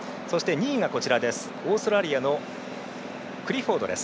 ２位がオーストラリアのクリフォードです。